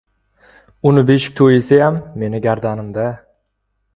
Uni beshik to‘yisiyam meni gardanimda!